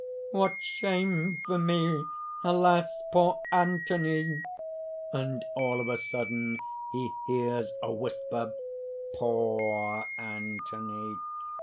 _) "What shame for me! Alas! poor Anthony." (_And all of a sudden he hears a whisper: "Poor Anthony"!